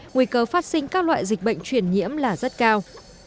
nguy cơ phát sinh các loại dịch bệnh truyền nhiễm là rất cao